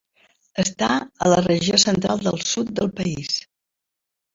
Està a la regió central del sud del país.